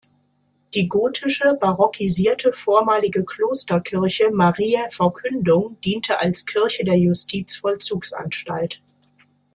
Die gotische, barockisierte vormalige Klosterkirche "Mariä Verkündigung" dient als Kirche der Justizvollzugsanstalt.